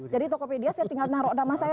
jadi tokopedia saya tinggal taruh nama saya